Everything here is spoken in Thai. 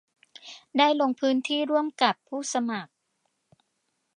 ได้ลงพื้นที่ร่วมกับทีมผู้สมัคร